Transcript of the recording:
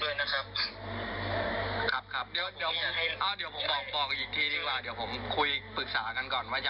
เดี๋ยวผมคุยปรึกษากันก่อนว่าจะเอายังไง